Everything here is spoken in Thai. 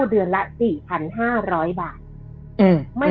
คือเรื่องนี้มันเกิดมาประสบการณ์ของรุ่นนี้มัน